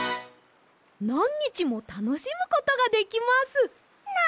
なんにちもたのしむことができます！